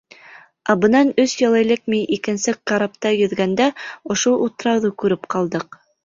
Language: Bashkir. Ә бынан өс йыл элек мин икенсе карапта йөҙгәндә ошо утрауҙы күреп ҡалдыҡ.